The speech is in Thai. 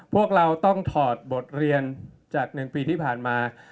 พวกเราต้องถอดบทเรียนจาก๑ปีที่ผ่านมา